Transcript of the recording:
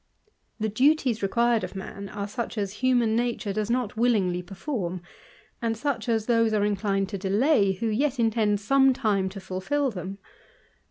The duties required of man are such as hmnan natUK ^ does not willingly perform, and such as those are incline*/ to delay who yet intend some time to fulfil them.